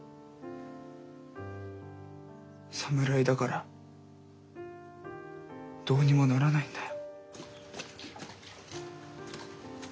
侍だからどうにもならないんだよ。